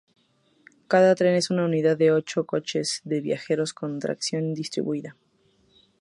Cada tren es una unidad de ocho coches de viajeros con tracción distribuida.